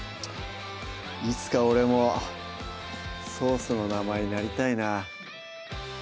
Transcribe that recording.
いつか俺もソースの名前になりたいな